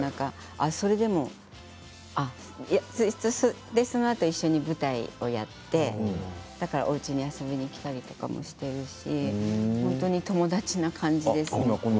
ああでも、それでもそのあとずっと一緒に舞台をやっておうちに遊びに来たりもしているし本当に友達な感じです。